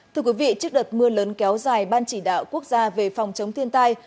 thưa quý vị trước đợt mưa lớn kéo dài ban chỉ đạo quốc gia về phòng chống thiên tai